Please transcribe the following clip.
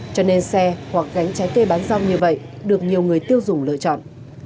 cho nên xe hoặc gánh trái cây bán rau như vậy được nhiều người tiêu dùng lựa chọn